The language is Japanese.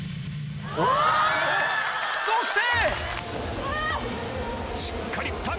そして。